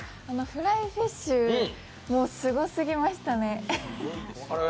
フライフィッシュ、もうすごすぎましたね。